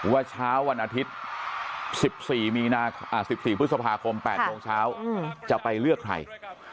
ว่าเช้าวันอาทิตย์๑๔มีนา๑๔พฤษภาคม๘โมงเช้าจะไปเลือกใคร